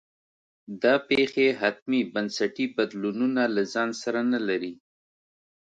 دا پېښې حتمي بنسټي بدلونونه له ځان سره نه لري.